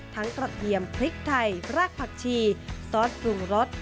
กระเทียมพริกไทยรากผักชีซอสปรุงรส